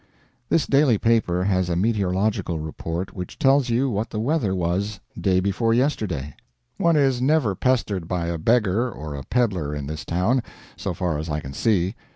This daily paper has a meteorological report which tells you what the weather was day before yesterday. One is never pestered by a beggar or a peddler in this town, so far as I can see.